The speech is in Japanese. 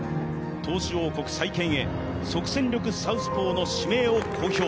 投手王国、即戦力サウスポーの指名を公表。